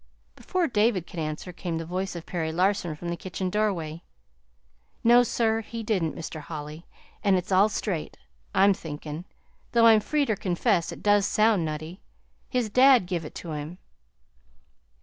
Before David could answer came the voice of Perry Larson from the kitchen doorway. "No, sir, he didn't, Mr. Holly; an' it's all straight, I'm thinkin' though I'm free ter confess it does sound nutty. His dad give it to him."